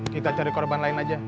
kita cari korban lain aja